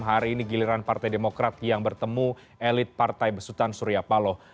hari ini giliran partai demokrat yang bertemu elit partai besutan surya paloh